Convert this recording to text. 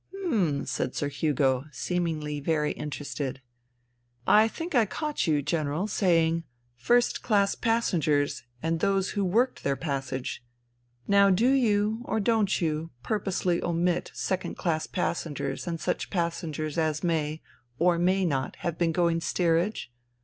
" Hm," said Sir Hugo, seemingly very interested. " I think I caught you. General, saying ' first class passengers and those who worked their passage.' Now do you, or don't you, purposely omit second class passengers and such passengers as may, or may not, have been going steerage